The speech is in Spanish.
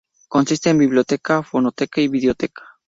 Consiste en biblioteca, fonoteca, videoteca.